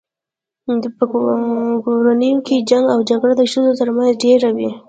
په کورونو کي جنګ او جګړه د ښځو تر منځ ډیره وي